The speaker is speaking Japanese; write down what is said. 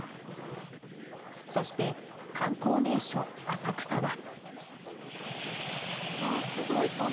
そして、観光名所・浅草は。